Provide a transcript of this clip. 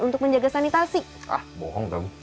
untuk menjaga sanitasi ah bohong dong